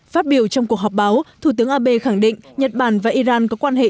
phát biểu trong cuộc họp báo thủ tướng abe khẳng định nhật bản và iran có quan hệ